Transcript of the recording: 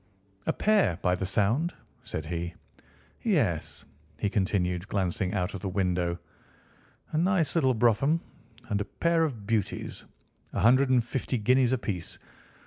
"A pair, by the sound," said he. "Yes," he continued, glancing out of the window. "A nice little brougham and a pair of beauties. A hundred and fifty guineas apiece.